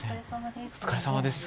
お疲れさまです。